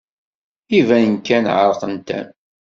Iban kan ɛerqent-am.